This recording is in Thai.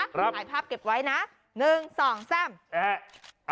ขายภาพเก็บไว้นะหนึ่งสองแซ่มเอ๊ะ